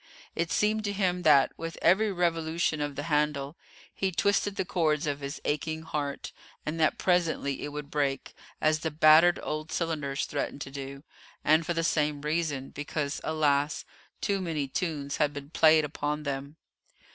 It seemed to him that, with every revolution of the handle, he twisted the chords of his aching heart, and that presently it would break, as the battered old cylinders threatened to do, and for the same reason; because, alas! too many tunes had been played upon them.